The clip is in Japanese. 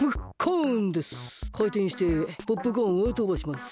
かいてんしてポップコーンをとばします。